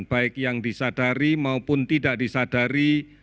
baik yang disadari maupun tidak disadari